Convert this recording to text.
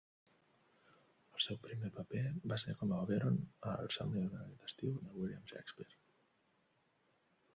El seu primer paper va ser com a Oberon al "Somni d'una nit d'estiu" de William Shakespeare.